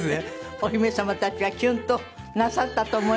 お姫様たちがキュンとなさったと思います。